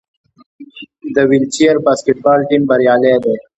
د ویلچیر باسکیټبال ټیم بریالی دی.